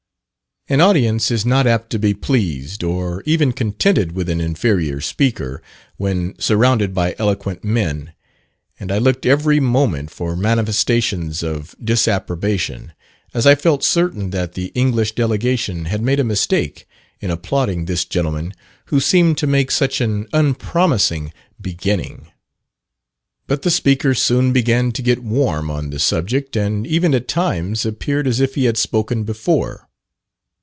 An audience is not apt to be pleased or even contented with an inferior speaker, when surrounded by eloquent men, and I looked every moment for manifestations of disapprobation, as I felt certain that the English delegation had made a mistake in applauding this gentleman who seemed to make such an unpromising beginning. But the speaker soon began to get warm on the subject, and even at times appeared as if he had spoken before.